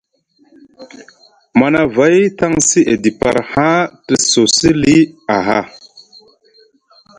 Manavay taŋsi edi par haa te sosi lii aha.